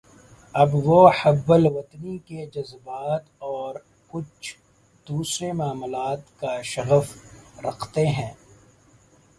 اب وہ حب الوطنی کے جذبات اور کچھ دوسرے معاملات کا شغف رکھتے ہیں۔